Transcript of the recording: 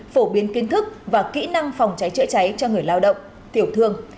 phổ biến kiến thức và kỹ năng phòng cháy chữa cháy cho người lao động tiểu thương